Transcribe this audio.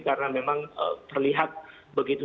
karena memang terlihat begitu